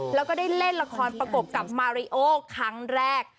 แล้วก็ได้เล่นละครประกบกับมาริโอครั้งแรก